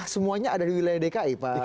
semuanya ada di wilayah dki pak